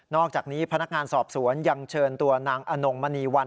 อกจากนี้พนักงานสอบสวนยังเชิญตัวนางอนงมณีวัน